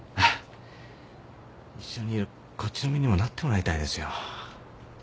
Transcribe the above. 一緒にいるこっちの身にもなってもらいたいですよ。